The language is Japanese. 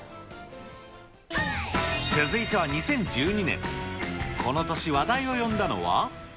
続いては２０１２年、この年、話題を呼んだのは。